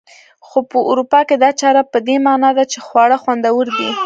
خو په اروپا کې دا چاره په دې مانا ده چې خواړه خوندور دي.